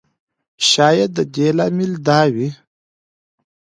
شاید د دې لامل دا وي.